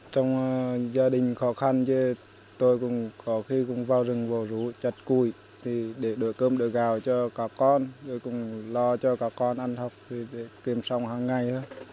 trong gia đình khó khăn chứ tôi cũng có khi vào rừng vô rủ chặt cùi để đổi cơm đổi gạo cho các con rồi cũng lo cho các con ăn học để kiếm sống hằng ngày